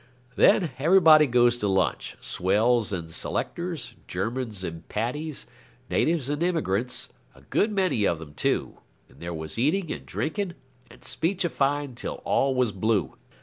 Then everybody goes to lunch swells and selectors, Germans and Paddies, natives and immigrants, a good many of them, too, and there was eating and drinking and speechifying till all was blue.